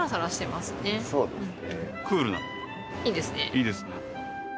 いいですね。